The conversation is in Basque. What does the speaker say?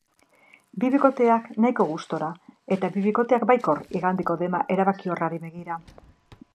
Bi bikoteak nahiko gustora eta bi bikoteak baikor igandeko dema erabakiorrari begira.